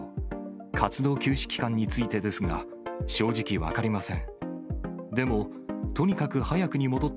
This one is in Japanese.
活動休止期間についてですが、正直、分かりません。